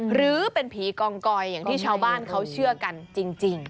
หรือเป็นผีกองกอยอย่างที่ชาวบ้านเขาเชื่อกันจริง